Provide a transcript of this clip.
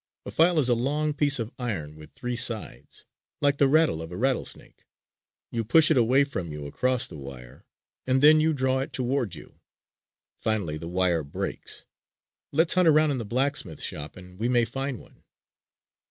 A file is a long piece of iron with three sides, like the rattle of a rattlesnake. You push it away from you across the wire, and then you draw it toward you. Finally the wire breaks. Let's hunt around in the blacksmith shop, and we may find one."